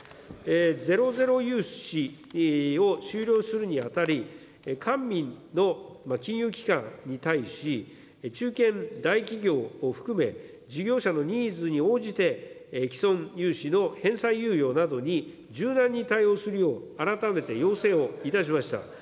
ゼロゼロ融資を終了するにあたり、官民の金融機関に対し、中堅、大企業を含め、事業者のニーズに応じて、既存融資の返済猶予などに柔軟に対応するよう改めて要請をいたしました。